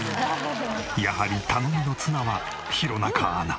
やはり頼みの綱は弘中アナ。